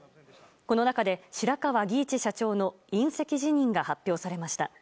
この中で白川儀一社長の引責辞任が発表されました。